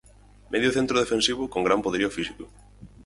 Medio centro defensivo con gran poderío físico.